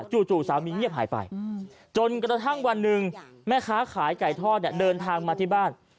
จู่สามีเงียบหายไปจนกระทั่งวันหนึ่งแม่ค้าขายไก่ทอดเนี่ยเดินทางมาที่บ้าน